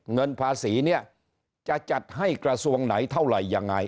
เงินภาษีเนี่ยจะจัดให้กระทรวงไหนเท่าไหร่ยังไง